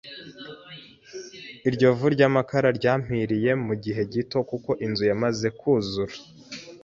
Iryo vu ry’amakara ryampiriye mu gihe gito kuko inzu yamaze kuzura